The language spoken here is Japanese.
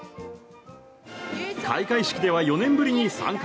開会式では４年ぶりに参加